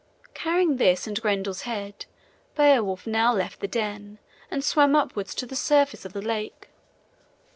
Carrying this and Grendel's head, Beowulf now left the den and swam upwards to the surface of the lake.